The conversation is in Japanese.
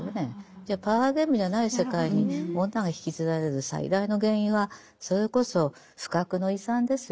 じゃあパワーゲームじゃない世界に女が引きずられる最大の原因はそれこそ不覚の違算ですよ。